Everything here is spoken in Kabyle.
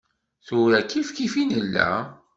Tura kifkif i nella.